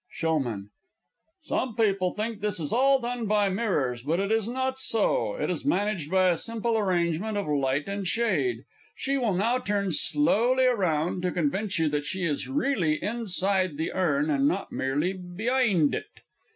SHOWMAN. Some people think this is all done by mirrors, but it is not so; it is managed by a simple arrangement of light and shade. She will now turn slowly round, to convince you that she is really inside the urn and not merely beyind it.